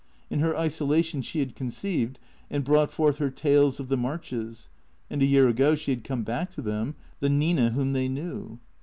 In her isolation she had conceived and brought forth her " Tales of the Marches." And a year ago she had come back to them, the Nina whom they knew.